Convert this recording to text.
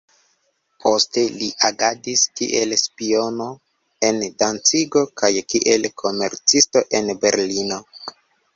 Poste li agadis kiel spiono en Dancigo kaj kiel komercisto en Berlino.